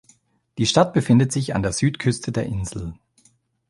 Die Stadt befindet sich an der Südküste der Insel.